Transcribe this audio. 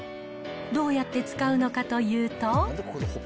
どうやって使うのかというと。